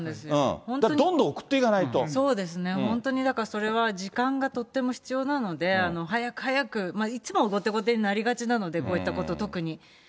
だからどんどん送っていかなそうですね、本当にだからそれは時間がとっても必要なので、早く早く、いつも後手後手になりがちなので、こういったこと、特に。